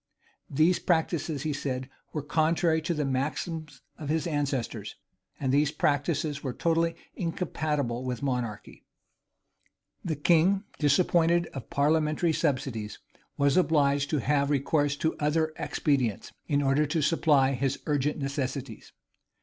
These practices, he said, were contrary to the maxims of their ancestors; and these practices were totally incompatible with monarchy.[*] The king, disappointed of parliamentary subsidies, was obliged to have recourse to other expedients, in order to supply his urgent necessities.